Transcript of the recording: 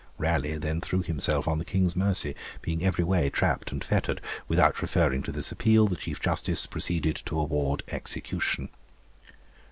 Raleigh then threw himself on the King's mercy, being every way trapped and fettered; without referring to this appeal, the Chief Justice proceeded to award execution.